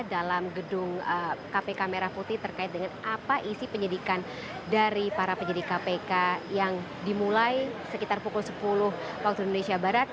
dalam gedung kpk merah putih terkait dengan apa isi penyidikan dari para penyidik kpk yang dimulai sekitar pukul sepuluh waktu indonesia barat